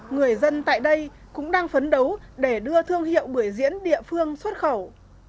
người dân tại đây cũng đang phấn đấu để đưa thương hiệu bưởi diễn địa phương xuất khẩu